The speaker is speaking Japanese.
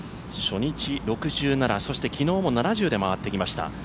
初日６７、昨日も７０で回ってきました。